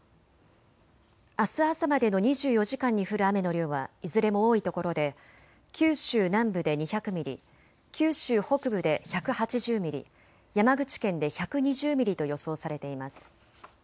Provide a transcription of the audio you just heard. あす朝までの２４時間に降る雨の量はいずれも多いところで九州南部で２００ミリ、九州北部で１８０ミリ、山口県で１２０ミリと予想されています。